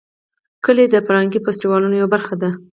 کلي د فرهنګي فستیوالونو یوه برخه ده.